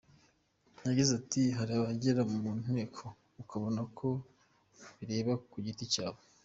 Yagize ati “Hari abagera mu Nteko ukabona ko bireba ku giti cyabo.